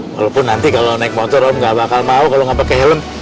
walaupun nanti kalo naik motor om gak bakal mau kalo gak pake helm